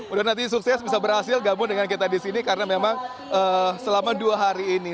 udah nanti sukses bisa berhasil gabung dengan kita di sini karena memang selama dua hari ini